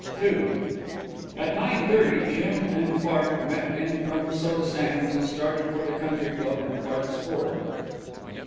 _" II At nine thirty, Jim and Clark met in front of Soda Sam's and started for the Country Club in Clark's Ford.